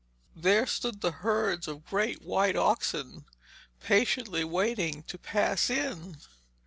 There stood the herds of great white oxen, patiently waiting to pass in.